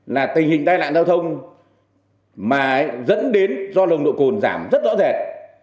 là tình hình tai nạn giao thông mà dẫn đến do nồng độ cồn giảm rất rõ rệt